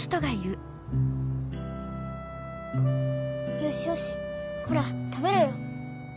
よしよしほら食べろよ。